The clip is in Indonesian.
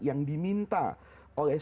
yang diminta oleh